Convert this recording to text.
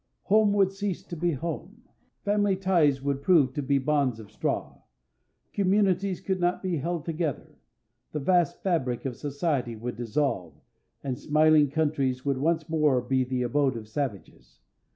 Home would cease to be home; family ties would prove to be bonds of straw; communities could not be held together; the vast fabric of society would dissolve, and smiling countries would once more be the abode of savages.